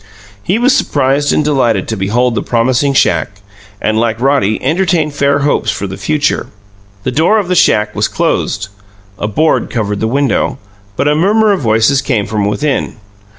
He was surprised and delighted to behold the promising shack, and, like Roddy, entertained fair hopes for the future. The door of the shack was closed; a board covered the window, but a murmur of voices came from within.